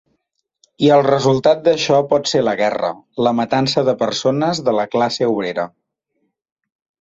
I el resultat d'això pot ser la guerra, la matança de persones de la classe obrera.